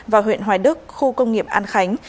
và huyện hoài đức khu công nghiệp an khánh